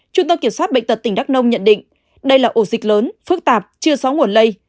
trung tâm kiểm soát bệnh tật tỉnh đắk nông nhận định đây là ổ dịch lớn phức tạp chưa xóa nguồn lây